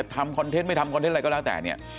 คอนเทนต์ไม่ทำคอนเทนต์อะไรก็แล้วแต่เนี่ย